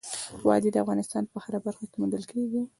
وادي د افغانستان په هره برخه کې موندل کېږي.